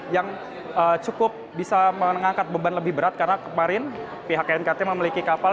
yang cukup bisa mengangkat beban lebih berat karena kemarin pihak knkt memiliki kapal